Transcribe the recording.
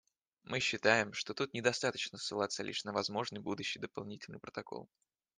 Мы считаем, что тут недостаточно ссылаться лишь на возможный будущий дополнительный протокол.